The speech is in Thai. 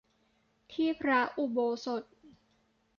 ที่พระอุโบสถ